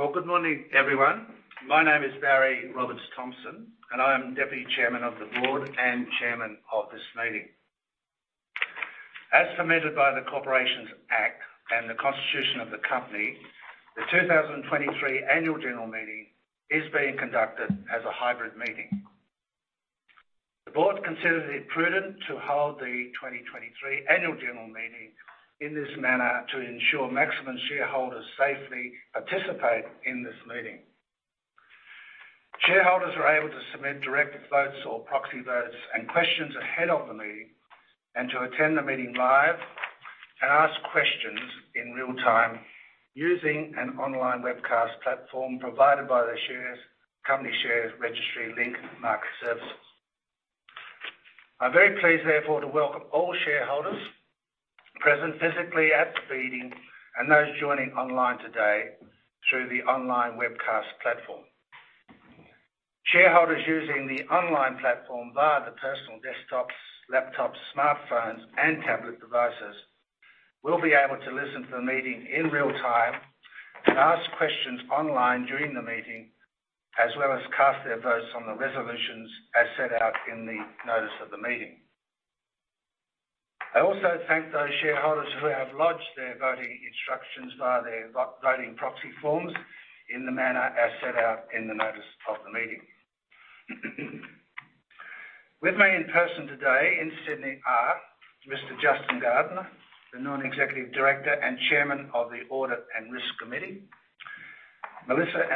Well, good morning, everyone. My name is Barry Roberts-Thomson, and I am Deputy Chairman of the Board and Chairman of this meeting. As permitted by the Corporations Act and the Constitution of the Company, the 2023 annual general meeting is being conducted as a hybrid meeting. The Board considers it prudent to hold the 2023 annual general meeting in this manner to ensure maximum shareholders safely participate in this meeting. Shareholders are able to submit direct votes or proxy votes and questions ahead of the meeting and to attend the meeting live and ask questions in real-time using an online webcast platform provided by the company shares registry Link Market Services. I'm very pleased, therefore, to welcome all shareholders present physically at the meeting and those joining online today through the online webcast platform. Shareholders using the online platform via their personal desktops, laptops, smartphones, and tablet devices will be able to listen to the meeting in real time and ask questions online during the meeting, as well as cast their votes on the resolutions as set out in the notice of the meeting. I also thank those shareholders who have lodged their voting instructions via their voting proxy forms in the manner as set out in the notice of the meeting. With me in person today in Sydney are Mr. Justin Gardener, the Non-Executive Director and Chairman of the Audit & Risk Committee. Melissa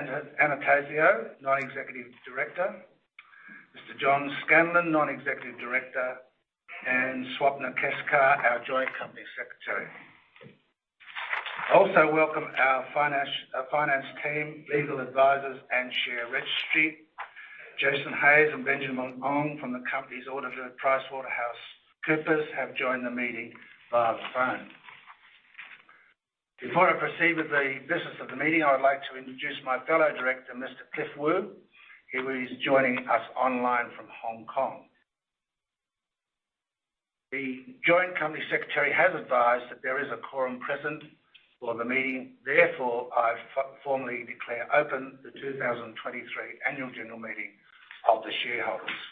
Anastasiou, Non-Executive Director. Mr. John Scanlon, Non-Executive Director, and Swapna Keskar, our Joint Company Secretary. I also welcome our finance team, legal advisors, and share registry. Jason Hayes and Benjamin Ong from the company's auditor at PricewaterhouseCoopers have joined the meeting via phone. Before I proceed with the business of the meeting, I would like to introduce my fellow director, Mr. Cliff Woo, who is joining us online from Hong Kong. The Joint Company Secretary has advised that there is a quorum present for the meeting. I formally declare open the 2023 annual general meeting of the shareholders.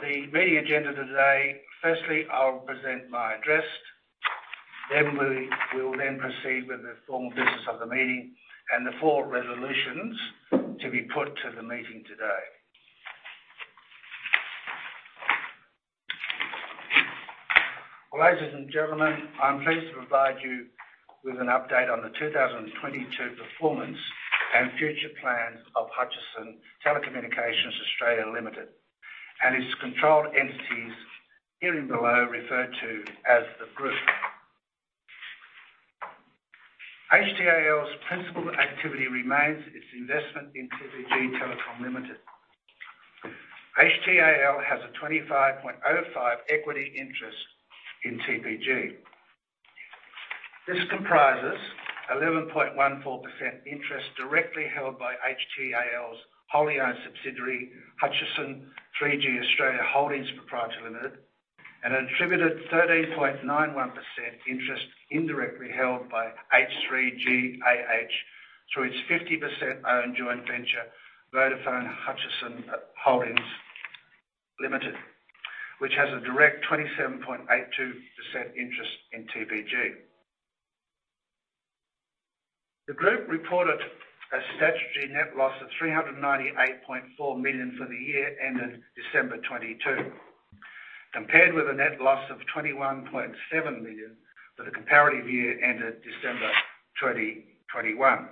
The meeting agenda today. I'll present my address. We will then proceed with the formal business of the meeting and the four resolutions to be put to the meeting today. Ladies and gentlemen, I'm pleased to provide you with an update on the 2022 performance and future plans of Hutchison Telecommunications (Australia) Limited and its controlled entities herein below referred to as the group. HTAL's principal activity remains its investment in TPG Telecom Limited. HTAL has a 25.05 equity interest in TPG. This comprises 11.14% interest directly held by HTAL's wholly owned subsidiary, Hutchison 3G Australia Holdings Pty Limited, and attributed 13.91% interest indirectly held by H3GAH through its 50% owned joint venture, Vodafone Hutchison (Australia) Holdings Limited, which has a direct 27.82% interest in TPG. The group reported a statutory net loss of AUD 398.4 million for the year ended December 2022, compared with a net loss of AUD 21.7 million for the comparative year ended December 2021.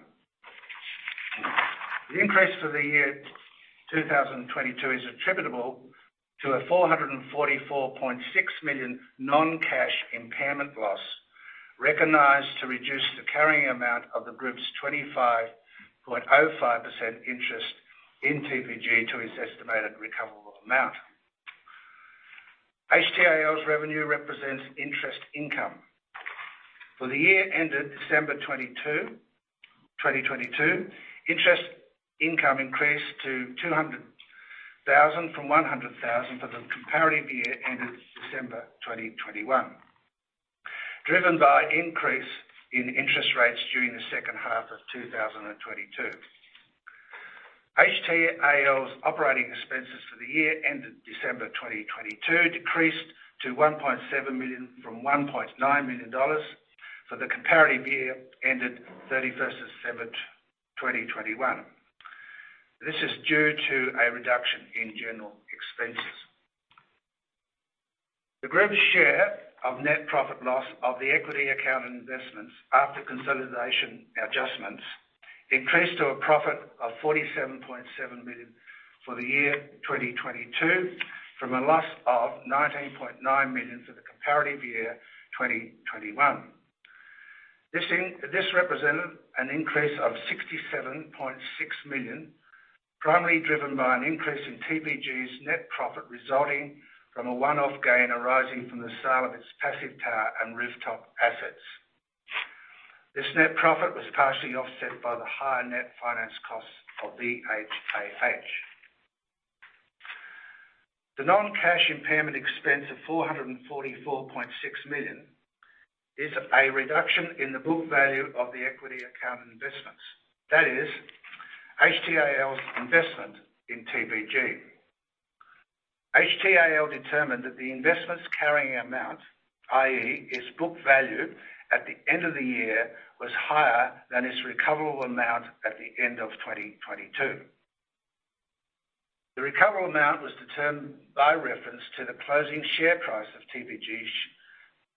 The increase for the year 2022 is attributable to a 444.6 million non-cash impairment loss recognized to reduce the carrying amount of the group's 25.05% interest in TPG to its estimated recoverable amount. HTAL's revenue represents interest income. For the year ended December 22, 2022, interest income increased to 200,000 from 100,000 for the comparative year ended December 2021, driven by increase in interest rates during the second half of 2022. HTAL's operating expenses for the year ended December 2022 decreased to 1.7 million from 1.9 million dollars for the comparative year ended 31st of December 2021. This is due to a reduction in general expenses. The group's share of net profit loss of the equity account and investments after consolidation adjustments increased to a profit of AUD 47.7 million for the year 2022, from a loss of AUD 19.9 million for the comparative year, 2021. This represented an increase of 67.6 million, primarily driven by an increase in TPG's net profit resulting from a one-off gain arising from the sale of its passive tower and rooftop assets. This net profit was partially offset by the higher net finance costs of VHAH. The non-cash impairment expense of 444.6 million is a reduction in the book value of the equity account investments. That is HTAL's investment in TPG. HTAL determined that the investment's carrying amount, i.e., its book value at the end of the year, was higher than its recoverable amount at the end of 2022. The recoverable amount was determined by reference to the closing share price of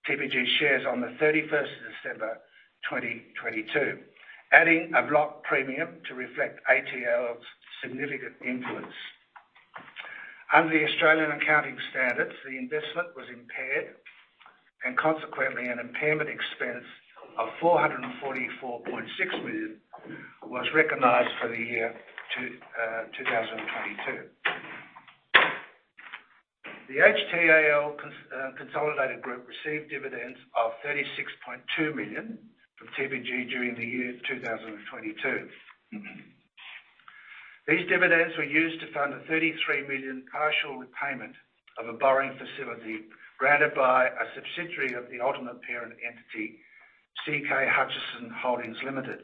TPG shares on the 31st of December 2022, adding a block premium to reflect HTAL's significant influence. Under Australian Accounting Standards, the investment was impaired and consequently an impairment expense of 444.6 million was recognized for the year 2022. The HTAL consolidated group received dividends of 36.2 million from TPG during the year 2022. These dividends were used to fund a 33 million partial repayment of a borrowing facility granted by a subsidiary of the ultimate parent entity, CK Hutchison Holdings Limited.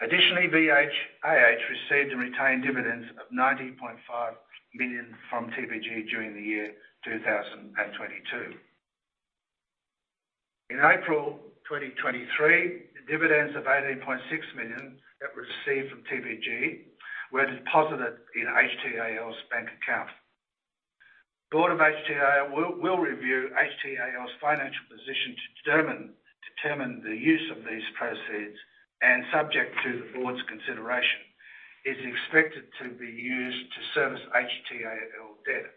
Additionally, VHAH received and retained dividends of 19.5 million from TPG during the year 2022. In April 2023, the dividends of 18.6 million that were received from TPG were deposited in HTAL's bank account. Board of HTAL will review HTAL's financial position to determine the use of these proceeds and subject to the board's consideration, is expected to be used to service HTAL debt.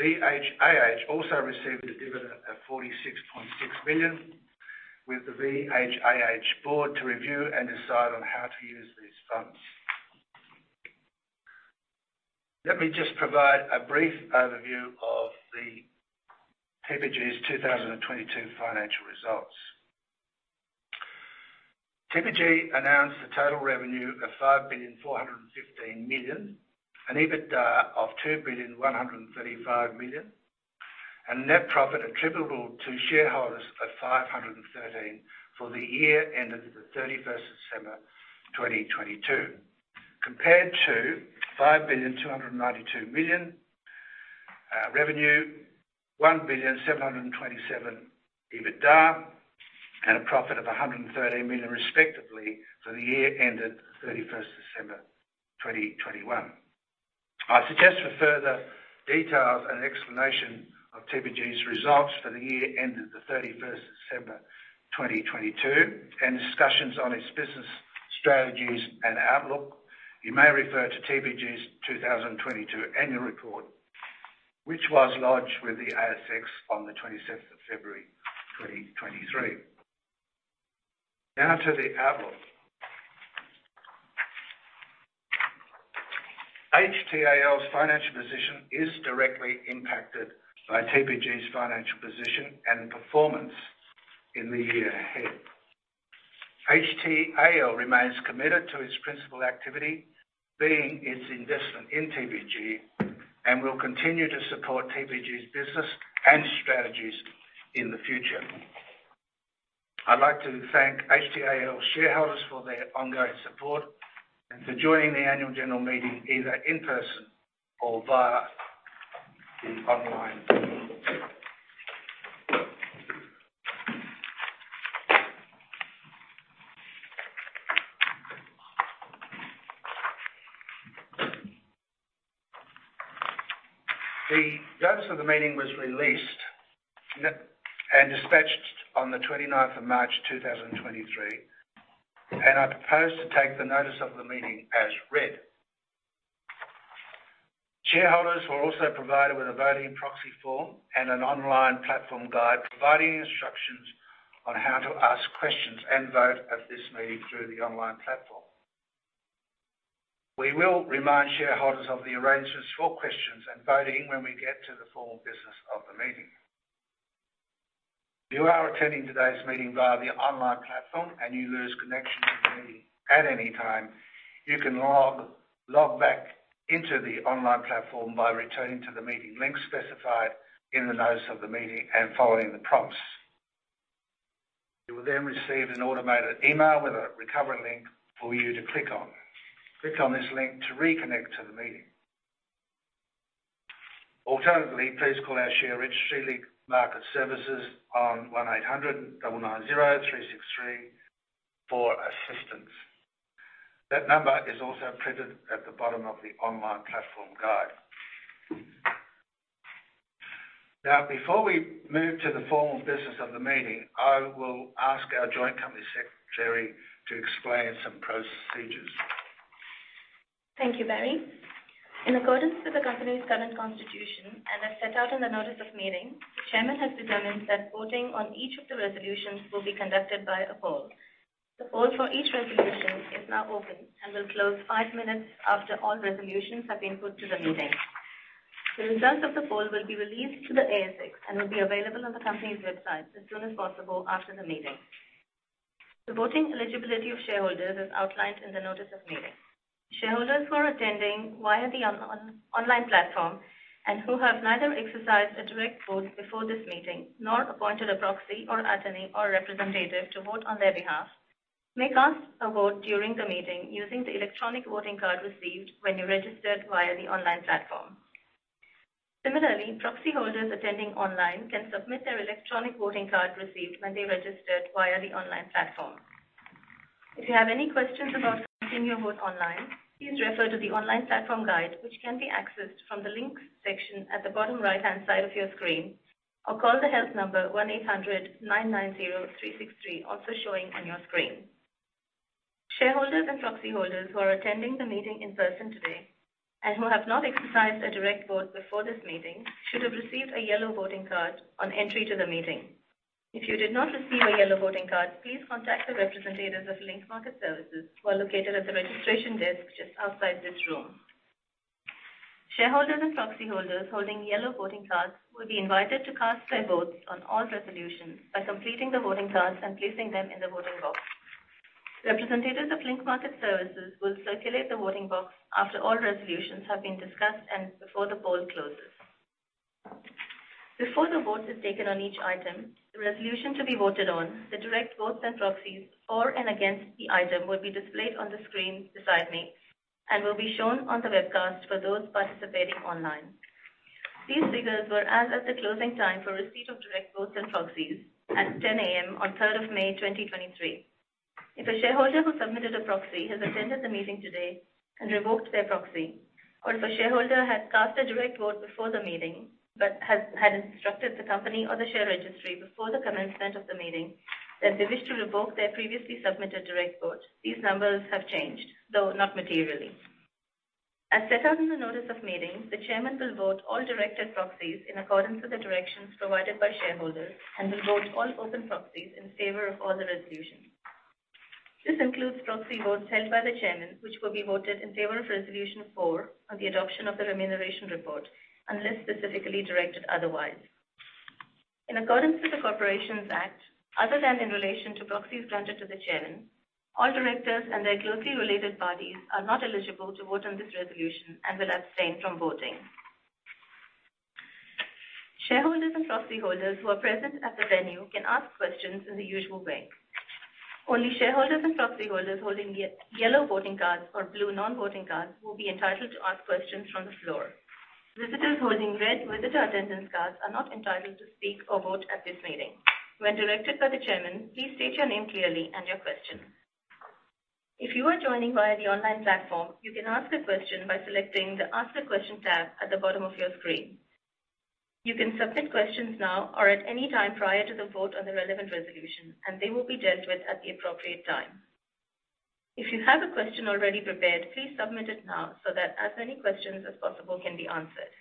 VHAH also received a dividend of 46.6 million, with the VHAH board to review and decide on how to use these funds. Let me just provide a brief overview of the TPG's 2022 financial results. TPG announced a total revenue of 5.415 billion, an EBITDA of 2.135 billion, and net profit attributable to shareholders of 513 million for the year ended December 31, 2022, compared to 5.292 billion revenue, 1.727 billion EBITDA, and a profit of 113 million respectively for the year ended December 31, 2021. I suggest for further details and explanation of TPG's results for the year ended December 31, 2022 and discussions on its business strategies and outlook, you may refer to TPG's 2022 annual report, which was lodged with the ASX on February 26, 2023. To the outlook. HTAL's financial position is directly impacted by TPG's financial position and performance in the year ahead. HTAL remains committed to its principal activity, being its investment in TPG, and will continue to support TPG's business and strategies in the future. I'd like to thank HTAL shareholders for their ongoing support and for joining the annual general meeting either in person or via the online. The notice of the meeting was released and dispatched on the 29th of March 2023. I propose to take the notice of the meeting as read. Shareholders were also provided with a voting proxy form and an online platform guide, providing instructions on how to ask questions and vote at this meeting through the online platform. We will remind shareholders of the arrangements for questions and voting when we get to the formal business of the meeting. If you are attending today's meeting via the online platform and you lose connection to the meeting at any time, you can log back into the online platform by returning to the meeting link specified in the notice of the meeting and following the prompts. You will receive an automated email with a recovery link for you to click on. Click on this link to reconnect to the meeting. Alternatively, please call our share registry Link Market Services on 1-800-990-363 for assistance. That number is also printed at the bottom of the online platform guide. Before we move to the formal business of the meeting, I will ask our joint company secretary to explain some procedures. Thank you, Barry. In accordance with the company's current constitution and as set out in the notice of meeting, the chairman has determined that voting on each of the resolutions will be conducted by a poll. The poll for each resolution is now open and will close five minutes after all resolutions have been put to the meeting. The results of the poll will be released to the ASX and will be available on the company's website as soon as possible after the meeting. The voting eligibility of shareholders is outlined in the notice of meeting. Shareholders who are attending via the online platform and who have neither exercised a direct vote before this meeting, nor appointed a proxy or attorney or representative to vote on their behalf, may cast a vote during the meeting using the electronic voting card received when you registered via the online platform. Similarly, proxy holders attending online can submit their electronic voting card received when they registered via the online platform. If you have any questions about casting your vote online, please refer to the online platform guide, which can be accessed from the links section at the bottom right-hand side of your screen, or call the help number 1-800-990-363 also showing on your screen. Shareholders and proxy holders who are attending the meeting in person today and who have not exercised their direct vote before this meeting should have received a yellow voting card on entry to the meeting. If you did not receive a yellow voting card, please contact the representatives of Link Market Services who are located at the registration desk just outside this room. Shareholders and proxy holders holding yellow voting cards will be invited to cast their votes on all resolutions by completing the voting cards and placing them in the voting box. Representatives of Link Market Services will circulate the voting box after all resolutions have been discussed and before the poll closes. Before the vote is taken on each item, the resolution to be voted on, the direct votes and proxies, for and against the item will be displayed on the screen beside me and will be shown on the webcast for those participating online. These figures were as of the closing time for receipt of direct votes and proxies at 10:00 A.M. on 3rd of May 2023. If a shareholder who submitted a proxy has attended the meeting today and revoked their proxy, if a shareholder has cast a direct vote before the meeting but had instructed the company or the share registry before the commencement of the meeting that they wish to revoke their previously submitted direct vote, these numbers have changed, though not materially. As set out in the notice of meeting, the Chairman will vote all directed proxies in accordance with the directions provided by shareholders and will vote all open proxies in favor of all the resolutions. This includes proxy votes held by the Chairman, which will be voted in favor of resolution 4 on the adoption of the remuneration report, unless specifically directed otherwise. In accordance with the Corporations Act, other than in relation to proxies granted to the Chairman, all directors and their closely related parties are not eligible to vote on this resolution and will abstain from voting. Shareholders and proxy holders who are present at the venue can ask questions in the usual way. Only shareholders and proxy holders holding yellow voting cards or blue non-voting cards will be entitled to ask questions from the floor. Visitors holding red visitor attendance cards are not entitled to speak or vote at this meeting. When directed by the Chairman, please state your name clearly and your question. If you are joining via the online platform, you can ask a question by selecting the Ask a Question tab at the bottom of your screen. You can submit questions now or at any time prior to the vote on the relevant resolution, and they will be dealt with at the appropriate time. If you have a question already prepared, please submit it now so that as many questions as possible can be answered.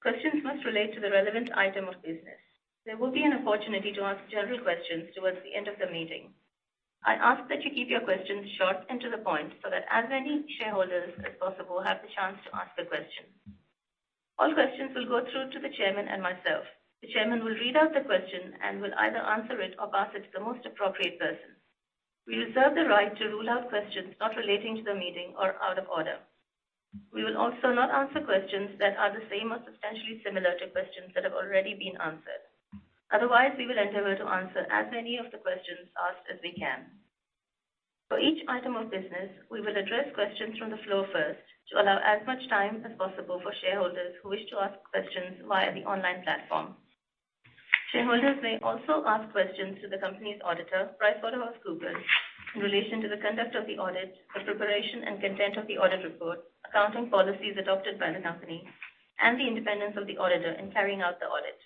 Questions must relate to the relevant item of business. There will be an opportunity to ask general questions towards the end of the meeting. I ask that you keep your questions short and to the point, so that as many shareholders as possible have the chance to ask a question. All questions will go through to the Chairman and myself. The Chairman will read out the question and will either answer it or pass it to the most appropriate person. We reserve the right to rule out questions not relating to the meeting or out of order. We will also not answer questions that are the same or substantially similar to questions that have already been answered. Otherwise, we will endeavor to answer as many of the questions asked as we can. For each item of business, we will address questions from the floor first to allow as much time as possible for shareholders who wish to ask questions via the online platform. Shareholders may also ask questions to the company's auditor, PricewaterhouseCoopers, in relation to the conduct of the audit, the preparation and content of the audit report, accounting policies adopted by the company, and the independence of the auditor in carrying out the audit.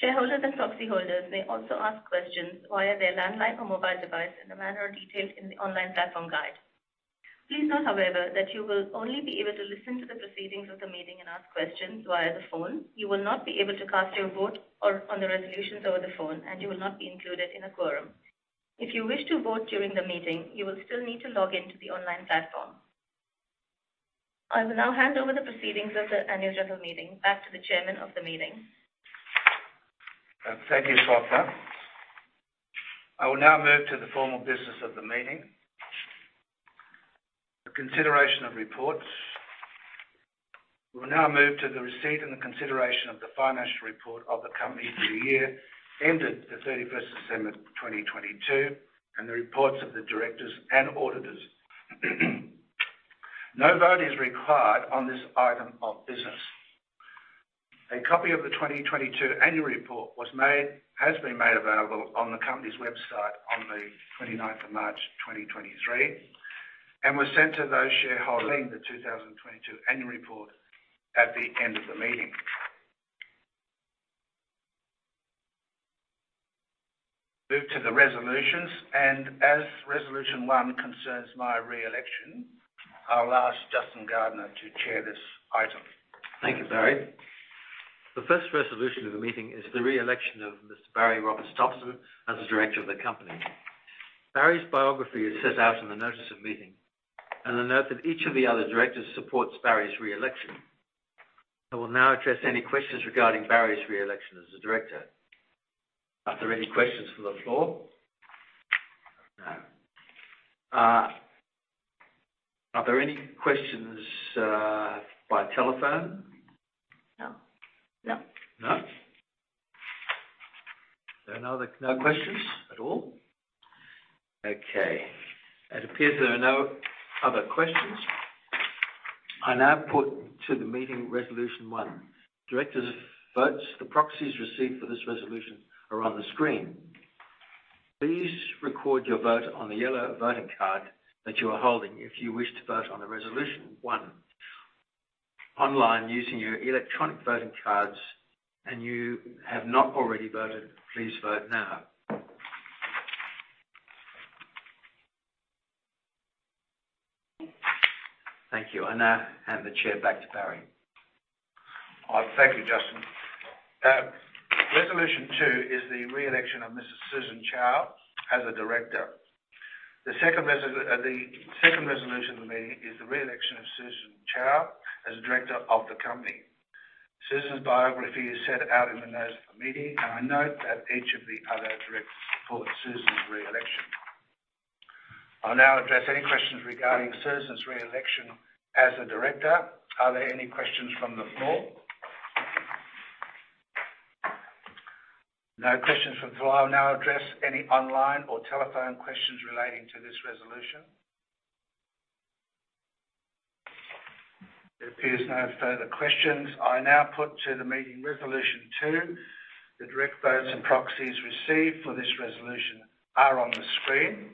Shareholders and proxy holders may also ask questions via their landline or mobile device in a manner detailed in the online platform guide. Please note, however, that you will only be able to listen to the proceedings of the meeting and ask questions via the phone. You will not be able to cast your vote or on the resolutions over the phone, and you will not be included in a quorum. If you wish to vote during the meeting, you will still need to log in to the online platform. I will now hand over the proceedings of the annual general meeting back to the Chairman of the meeting. Thank you, Swapna. I will now move to the formal business of the meeting. The consideration of reports. We will now move to the receipt and the consideration of the financial report of the company for the year ended the 31st of December 2022 and the reports of the directors and auditors. No vote is required on this item of business. A copy of the 2022 annual report has been made available on the company's website on the 29th of March 2023 and was sent to those shareholders in the 2022 annual report at the end of the meeting. Move to the resolutions, as resolution one concerns my re-election, I'll ask Justin Gardener to chair this item. Thank you, Barry. The first resolution of the meeting is the re-election of Mr. Barry Roberts-Thomson as a director of the company. Barry's biography is set out in the notice of meeting and a note that each of the other directors supports Barry's re-election. I will now address any questions regarding Barry's re-election as a director. Are there any questions from the floor? No. Are there any questions, by telephone? No. No. No? There are no other questions at all? Okay. It appears there are no other questions. I now put to the meeting resolution one. Directors' votes for proxies received for this resolution are on the screen. Please record your vote on the yellow voting card that you are holding if you wish to vote on the resolution one. Online using your electronic voting cards, and you have not already voted, please vote now. Thank you. I now hand the chair back to Barry. All right. Thank you, Justin. Resolution two is the re-election of Mrs. Susan Chow as a director. The second resolution of the meeting is the re-election of Susan Chow as director of the company. Susan Chow's biography is set out in the notes of the meeting, and I note that each of the other directors support Susan Chow's re-election. I'll now address any questions regarding Susan Chow's re-election as a director. Are there any questions from the floor? No questions from the floor. I will now address any online or telephone questions relating to this resolution. It appears no further questions. I now put to the meeting resolution two. The direct votes and proxies received for this resolution are on the screen.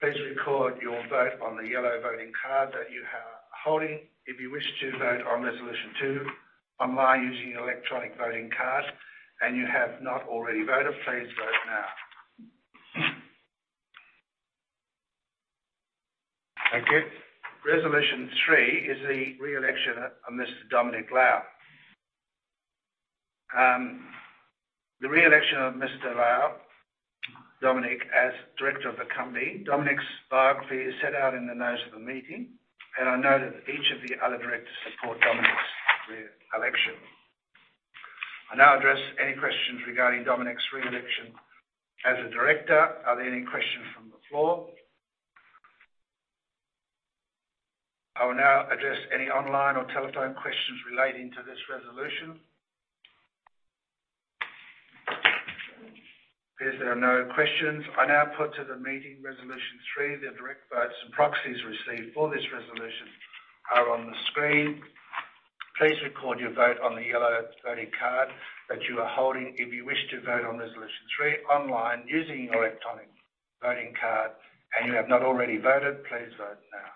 Please record your vote on the yellow voting card that you are holding. If you wish to vote on resolution two online using your electronic voting card, and you have not already voted, please vote now. Thank you. Resolution three is the re-election of Mr. Dominic Lai. The re-election of Mr. Lai, Dominic, as director of the company. Dominic's biography is set out in the notes of the meeting, and I know that each of the other directors support Dominic's re-election. I now address any questions regarding Dominic's re-election as a director. Are there any questions from the floor? I will now address any online or telephone questions relating to this resolution. It appears there are no questions. I now put to the meeting resolution three. The direct votes and proxies received for this resolution are on the screen. Please record your vote on the yellow voting card that you are holding if you wish to vote on Resolution three online using your electronic voting card, and you have not already voted, please vote now.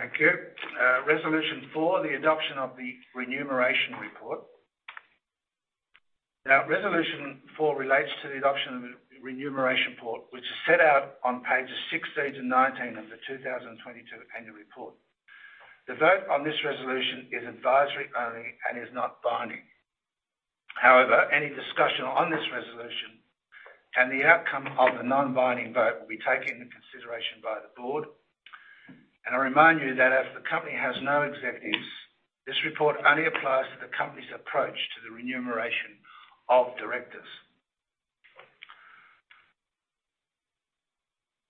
Thank you. Resolution four, the adoption of the remuneration report. Resolution four relates to the adoption of the remuneration report, which is set out on pages 16 to 19 of the 2022 annual report. The vote on this resolution is advisory only and is not binding. However, any discussion on this resolution and the outcome of the non-binding vote will be taken into consideration by the Board. I remind you that as the company has no executives, this report only applies to the company's approach to the remuneration of directors.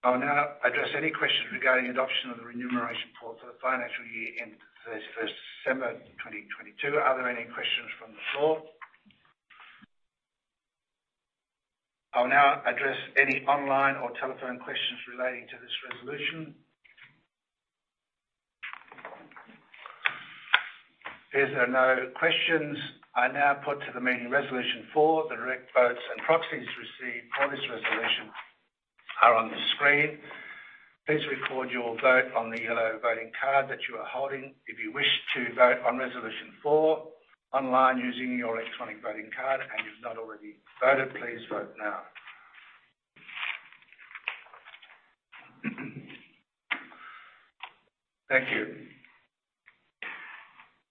I will now address any questions regarding adoption of the remuneration report for the financial year ending 31st December 2022. Are there any questions from the floor? I will now address any online or telephone questions relating to this resolution. It appears there are no questions. I now put to the meeting resolution four. The direct votes and proxies received for this resolution are on the screen. Please record your vote on the yellow voting card that you are holding if you wish to vote on resolution four online using your electronic voting card, and you've not already voted, please vote now. Thank you.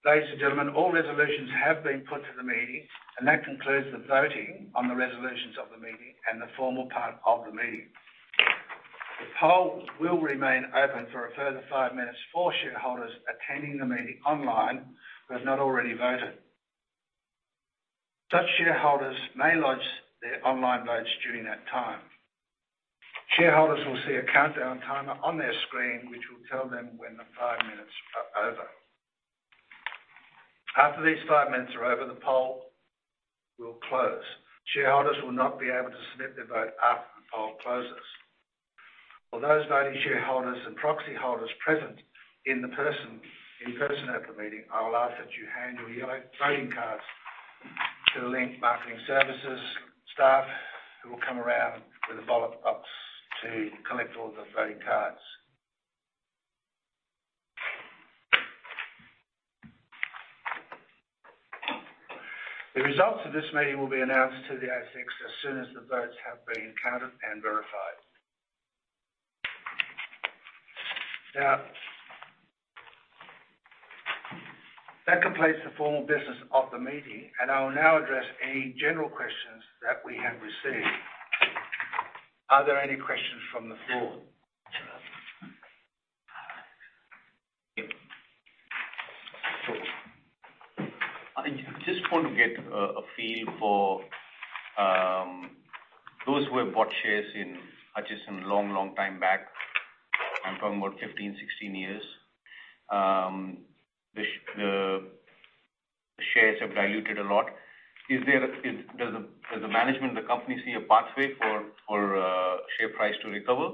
Ladies and gentlemen, all resolutions have been put to the meeting, that concludes the voting on the resolutions of the meeting and the formal part of the meeting. The poll will remain open for a further five minutes for shareholders attending the meeting online who have not already voted. Such shareholders may lodge their online votes during that time. Shareholders will see a countdown timer on their screen, which will tell them when the five minutes are over. After these five minutes are over, the poll will close. Shareholders will not be able to submit their vote after the poll closes. For those voting shareholders and proxy holders present in person at the meeting, I will ask that you hand your yellow voting cards to Link Market Services staff, who will come around with a ballot box to collect all the voting cards. The results of this meeting will be announced to the ASX as soon as the votes have been counted and verified. That completes the formal business of the meeting. I will now address any general questions that we have received. Are there any questions from the floor? I just want to get a feel for those who have bought shares in Hutchison long, long time back. I'm talking about 15, 16 years. The shares have diluted a lot. Does the management of the company see a pathway for share price to recover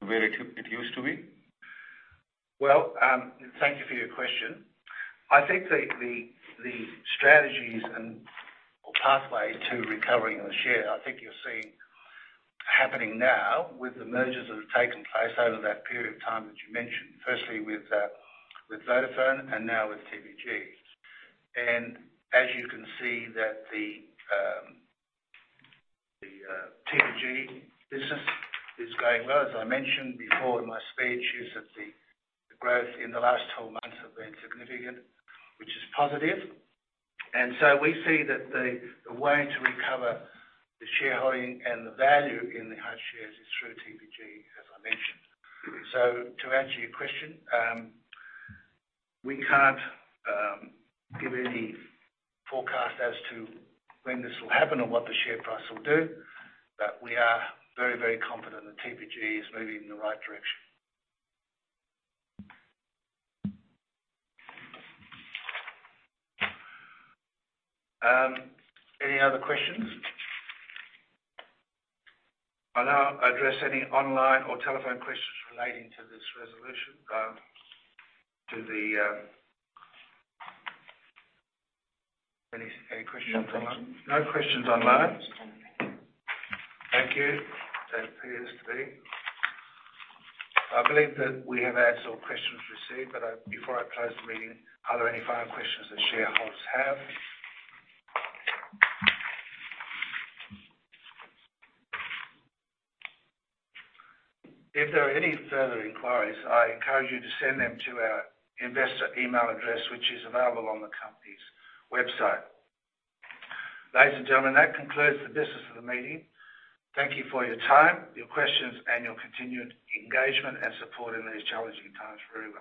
where it used to be? Thank you for your question. I think the strategies and, or pathways to recovering the share, I think you're seeing happening now with the mergers that have taken place over that period of time that you mentioned, firstly with Vodafone and now with TPG. As you can see that the TPG business is going well. As I mentioned before in my speech, is that the growth in the last 12 months have been significant, which is positive. We see that the way to recover the shareholding and the value in the Hutch shares is through TPG, as I mentioned. To answer your question, we can't give any forecast as to when this will happen or what the share price will do. We are very confident that TPG is moving in the right direction. Any other questions? I'll now address any online or telephone questions relating to this resolution. Any questions online? No questions. No questions online. Thank you. That appears to be. I believe that we have answered all questions received, but I, before I close the meeting, are there any final questions the shareholders have? If there are any further inquiries, I encourage you to send them to our investor email address which is available on the company's website. Ladies and gentlemen, that concludes the business of the meeting. Thank you for your time, your questions, and your continued engagement and support in these challenging times for everyone.